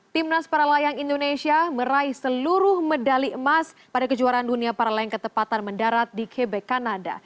timnas paralayang indonesia meraih seluruh medali emas pada kejuaraan dunia parlayang ketepatan mendarat di quebec kanada